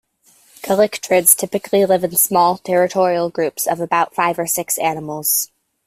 Callitrichids typically live in small, territorial groups of about five or six animals.